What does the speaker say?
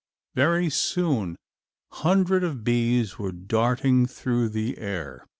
Very soon hundred of bees were darting through the air.